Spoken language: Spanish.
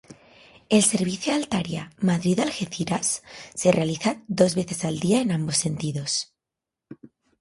El servicio Altaria Madrid-Algeciras se realiza dos veces al día en ambos sentidos.